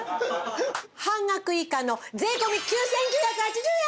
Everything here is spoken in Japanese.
半額以下の税込９９８０円！